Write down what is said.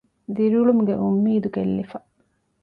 ދިރިއުޅުމުގެ އުންމީދު ގެއްލިފަ